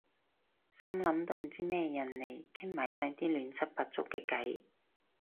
心諗都唔知咩人嚟傾埋晒啲亂七八糟嘅偈